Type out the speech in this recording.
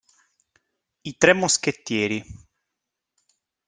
I tre moschettieri